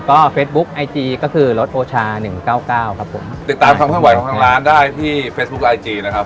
ก็เฟซบุ๊คไอจีก็คือรถโอชาหนึ่งเก้าเก้าครับผมติดตามความเคลื่อนไหวของทางร้านได้ที่เฟซบุ๊คไอจีนะครับ